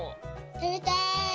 たべたい！